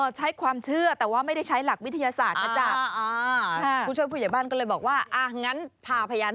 ใช้ความเชื่อแต่ว่าไม่ได้ใช้หลักวิทยาศาสตร์